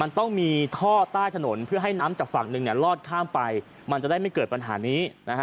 มันต้องมีท่อใต้ถนนเพื่อให้น้ำจากฝั่งหนึ่งลอดข้ามไปมันจะได้ไม่เกิดปัญหานี้